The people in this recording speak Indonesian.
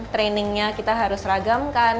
trainingnya kita harus ragamkan